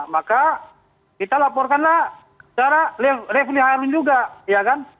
maka kita laporkanlah secara revenue harun juga ya kan